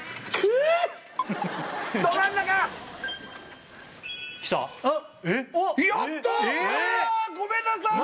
えっ？